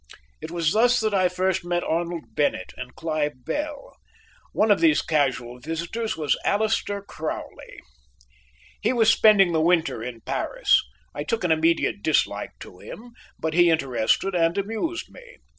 It was thus that I first met Arnold Bennett and Clive Bell. One of these casual visitors was Aleister Crowley. He was spending the winter in Paris. I took an immediate dislike to him, but he interested and amused me.